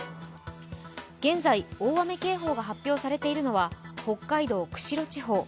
現在、大雨警報が発表されているのは北海道・釧路地方。